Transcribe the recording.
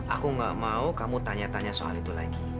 aku gak mau kamu tanya tanya soal itu lagi